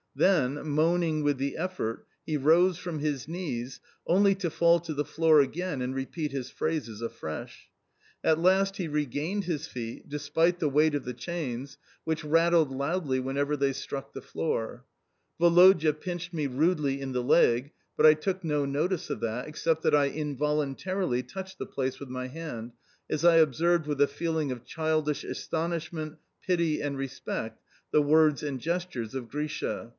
Then, moaning with the effort, he rose from his knees only to fall to the floor again and repeat his phrases afresh. At last he regained his feet, despite the weight of the chains, which rattled loudly whenever they struck the floor. Woloda pinched me rudely in the leg, but I took no notice of that (except that I involuntarily touched the place with my hand), as I observed with a feeling of childish astonishment, pity, and respect the words and gestures of Grisha.